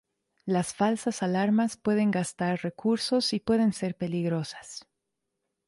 Las falsas alarmas pueden gastar recursos y pueden ser peligrosas.